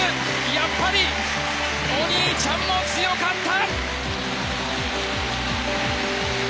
やっぱりお兄ちゃんも強かった！